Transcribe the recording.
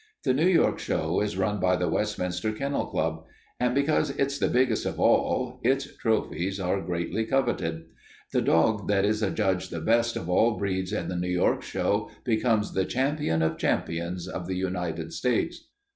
The New York show is run by the Westminster Kennel Club, and because it's the biggest of all its trophies are greatly coveted. The dog that is adjudged the best of all breeds at the New York show becomes the champion of champions of the United States."